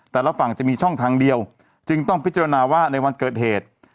แต่ละฝั่งจะมีช่องทางเดียวจึงต้องพิจารณาว่าในวันเกิดเหตุ